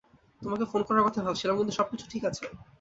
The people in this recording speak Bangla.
তোমাকে ফোন করার কথাই ভাবছিলাম, কিন্তু সবকিছু ঠিক আছে।